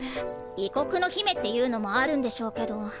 異国の姫っていうのもあるんでしょうけど。